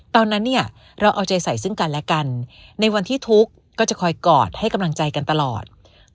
ตอนนั้นเนี่ยเราเอาใจใส่ซึ่งกันและกันในวันที่ทุกข์ก็จะคอยกอดให้กำลังใจกันตลอด